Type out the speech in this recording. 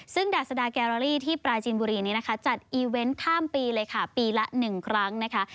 ซึ่งดาษดาแกรอรี่ที่ปราจินบุรีนี้นะคะจัดอีเวนต์ข้ามปีเลยค่ะปีละ๑ครั้งนะคะ